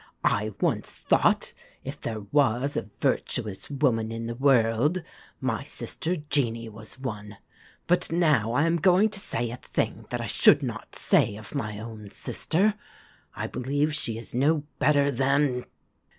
I once thought, if there was a virtuous woman in the world, my sister Jeanie was one; but now I am going to say a thing that I should not say of my own sister I believe she is no better than